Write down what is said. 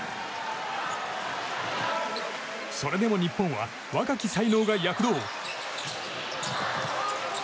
それでも日本は若き才能が躍動！